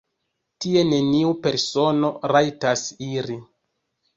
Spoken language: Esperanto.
Tie neniu persono rajtas iri.